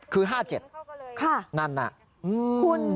คือ๕๗๗นั่น